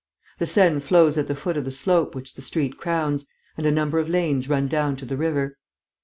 The Seine flows at the foot of the slope which the street crowns; and a number of lanes run down to the river.